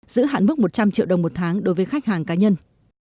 giữ hạn mức một trăm linh triệu đồng một tháng đối với khách hàng cá nhân